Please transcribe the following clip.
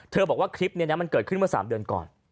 บอกว่าคลิปนี้นะมันเกิดขึ้นเมื่อ๓เดือนก่อน